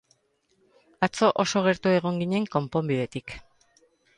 Atzo oso gertu egon ginen konponbidetik.